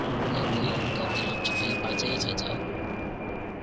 有冇英雄救美攬住佢一把遮一齊走？